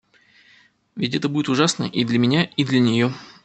Ведь это будет ужасно и для меня и для нее.